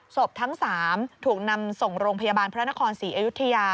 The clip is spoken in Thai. ทั้ง๓ถูกนำส่งโรงพยาบาลพระนครศรีอยุธยา